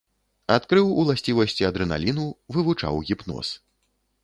Адкрыў уласцівасці адрэналіну, вывучаў гіпноз.